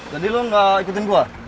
jadi lo gak ikutin gue